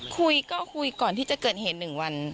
คุยก็คุยก่อนที่จะเกิดเหตุ๑วัน